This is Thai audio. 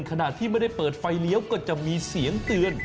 ขณะที่ไม่ได้เปิดไฟเลี้ยวก็จะมีเสียงเตือน